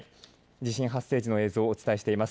地震発生時の映像をお伝えしています。